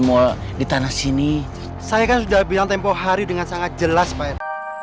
mal di tanah sini saya kan sudah bilang tempoh hari dengan sangat jelas pak er